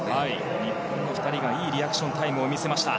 日本の２人がいいリアクションタイムを見せました。